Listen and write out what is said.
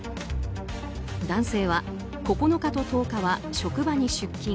男性は９日と１０日は職場に出勤。